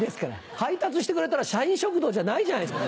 配達してくれたら社員食堂じゃないじゃないですか。